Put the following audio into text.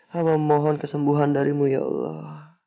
hamba mohon kesembuhan darimu ya allah